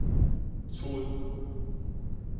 賰